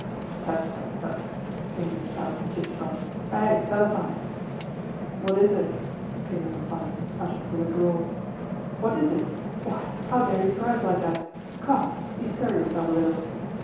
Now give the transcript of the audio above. "Tut, tut, tut!" came in a shout from Chichikov. "Hi, Selifan!" "What is it?" came the reply, uttered with a drawl. "What is it? Why, how dare you drive like that? Come! Bestir yourself a little!"